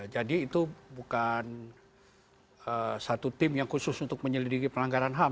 jadi itu bukan satu tim yang khusus untuk menyelidiki pelanggaran ham